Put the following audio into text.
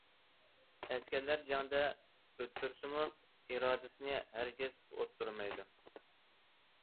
ئەسكەرلەر جەڭدە ئۇتتۇرسىمۇ، ئىرادىسىنى ھەرگىز ئۇتتۇرمايدۇ.